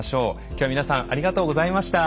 今日は皆さんありがとうございました。